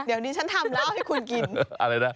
เดี๋ยวนี้ฉันทำแล้วให้คุณกิน